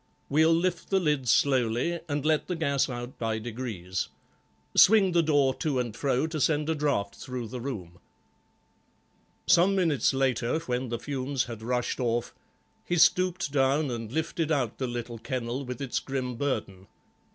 "We'll lift the lid slowly, and let the gas out by degrees. Swing the door to and fro to send a draught through the room." Some minutes later, when the fumes had rushed off, he stooped down and lifted out the little kennel with its grim burden.